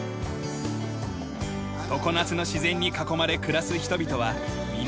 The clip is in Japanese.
常夏の自然に囲まれ暮らす人々は皆親しみやすい。